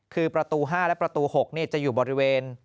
คือประตู๕และประตู๖จะอยู่บริเวณ